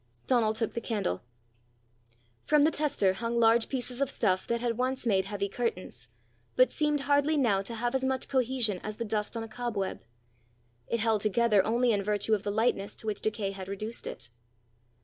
Donal took the candle. From the tester hung large pieces of stuff that had once made heavy curtains, but seemed hardly now to have as much cohesion as the dust on a cobweb; it held together only in virtue of the lightness to which decay had reduced it.